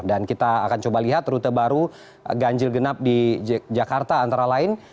dan kita akan coba lihat rute baru ganjil genap di jakarta antara lain